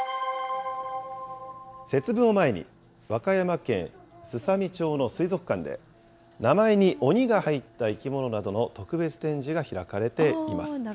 節分を前に、和歌山県すさみ町の水族館で、名前にオニが入った生き物などの特別展示が開かれています。